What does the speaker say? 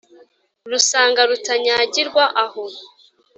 rusanga rutanyagirwa aho,